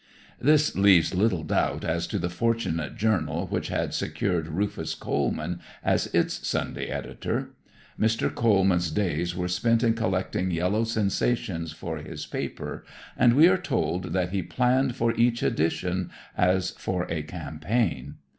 This leaves little doubt as to the fortunate journal which had secured Rufus Coleman as its Sunday editor. Mr. Coleman's days were spent in collecting yellow sensations for his paper, and we are told that he "planned for each edition as for a campaign."